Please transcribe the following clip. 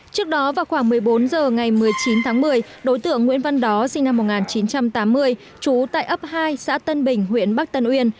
trước đó vào khoảng một mươi bốn h ngày một mươi chín tháng một mươi đối tượng nguyễn văn đó sinh năm một nghìn chín trăm tám mươi trú tại ấp hai xã tân bình huyện bắc tân uyên